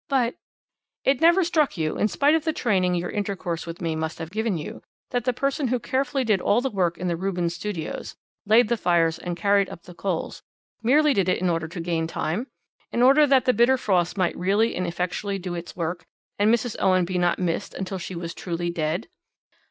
"But " "It never struck you, in spite of the training your intercourse with me must have given you, that the person who carefully did all the work in the Rubens Studios, laid the fires and carried up the coals, merely did it in order to gain time; in order that the bitter frost might really and effectually do its work, and Mrs. Owen be not missed until she was truly dead."